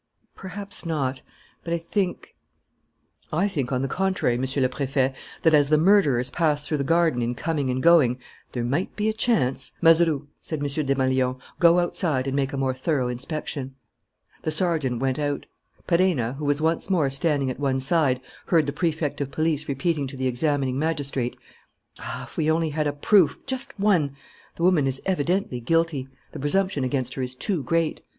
"Perhaps not.... But I think " "I think, on the contrary, Monsieur le Préfet, that, as the murderers passed through the garden in coming and going, there might be a chance " "Mazeroux," said M. Desmalions, "go outside and make a more thorough inspection." The sergeant went out. Perenna, who was once more standing at one side, heard the Prefect of Police repeating to the examining magistrate: "Ah, if we only had a proof, just one! The woman is evidently guilty. The presumption against her is too great!